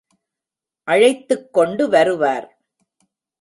அழைத்துக் கொண்டு வருவார்.